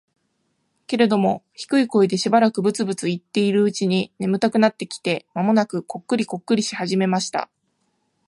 けれども、低い声でしばらくブツブツ言っているうちに、眠たくなってきて、間もなくコックリコックリし始めました。